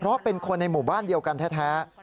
เพราะเป็นคนในหมู่บ้านเดียวกันแท้